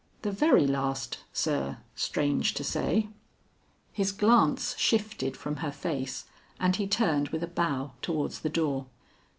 "The very last, sir; strange to say." His glance shifted from her face and he turned with a bow towards the door.